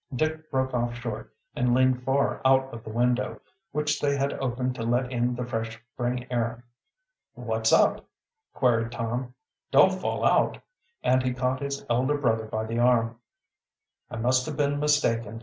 Dick broke off short and leaned far out of the window, which they had opened to let in the fresh spring air. "What's up?" queried Tom. "Don't fall out." And he caught his elder brother by the arm. "I must have been mistaken.